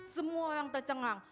semua orang tercengang